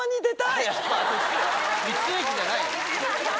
道の駅じゃない。